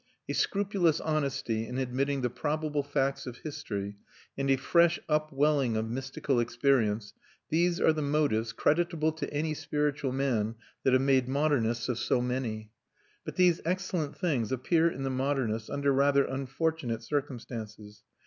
A scrupulous honesty in admitting the probable facts of history, and a fresh upwelling of mystical experience, these are the motives, creditable to any spiritual man, that have made modernists of so many. But these excellent things appear in the modernists under rather unfortunate circumstances.